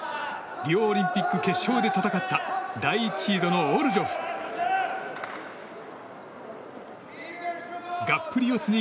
リオオリンピック決勝で戦った第１シードのオルジョフ。